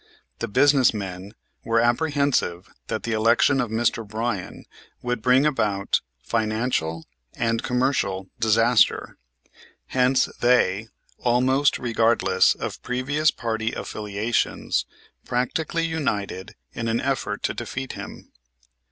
The business men were apprehensive that the election of Mr. Bryan would bring about financial and commercial disaster, hence they, almost regardless of previous party affiliations, practically united in an effort to defeat him.